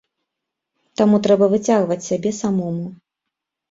Таму трэба выцягваць сябе самому.